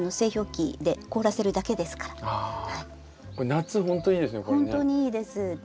夏ほんといいですね